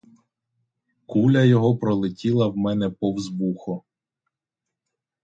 Куля його пролетіла в мене повз вухо.